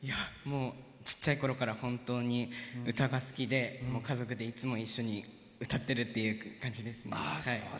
ちっちゃいころから本当に歌が好きで家族でいつも一緒に歌ってるって感じですね。